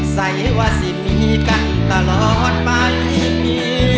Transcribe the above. ใส่ว่าสิมีกันตลอดไปมี